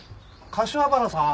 柏原さん。